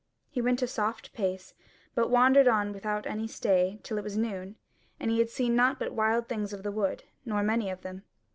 He went a soft pace, but wandered on without any stay till it was noon, and he had seen nought but the wild things of the wood, nor many of them.